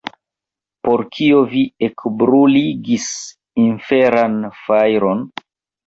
Por kio vi ekbruligis inferan fajron?